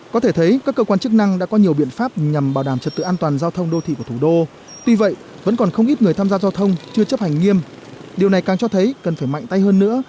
có thể thấy các cơ quan chức năng đã có nhiều biện pháp nhằm bảo đảm trật tự an toàn giao thông đô thị của thủ đô tuy vậy vẫn còn không ít người tham gia giao thông chưa chấp hành nghiêm điều này càng cho thấy cần phải mạnh tay hơn nữa